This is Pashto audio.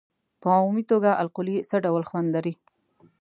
په عمومي توګه القلي څه ډول خوند لري؟